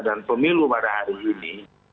dan pemilu pada hari ini